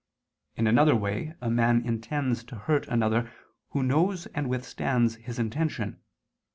In another way a man intends to hurt another who knows and withstands his intention.